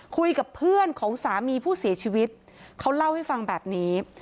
คุยกับเพื่อนของสามีผู้เสียชีวิตเขาเล่าให้ฟังแบบนี้